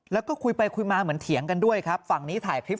แล้วก็คุยไปคุยมาเหมือนเถียงกันด้วยครับฝั่งนี้ถ่ายคลิป